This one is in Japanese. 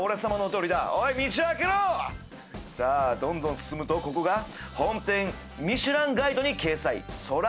さあどんどん進むとここが本店『ミシュランガイド』に掲載。